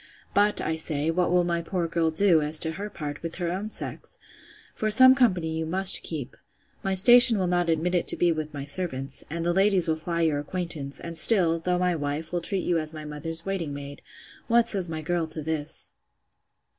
But, I say, what will my poor girl do, as to her part, with her own sex? For some company you must keep. My station will not admit it to be with my servants; and the ladies will fly your acquaintance; and still, though my wife, will treat you as my mother's waiting maid.—What says my girl to this?